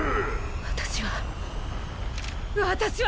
私は私は！